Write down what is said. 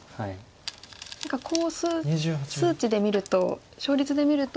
何かこう数値で見ると勝率で見ると。